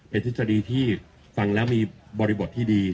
เป็นทฤษฎีที่ฟังแล้วมีบริบทที่ดี